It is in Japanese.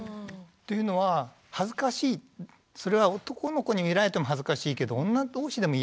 というのは恥ずかしいそれは男の子に見られても恥ずかしいけど女同士でも嫌だよね。